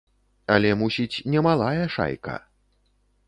Але, мусіць, немалая шайка.